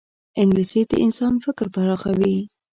انګلیسي د انسان فکر پراخوي